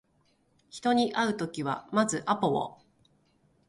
人に会うときはまずアポを